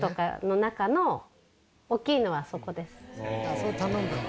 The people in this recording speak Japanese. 「それ頼んだんだ」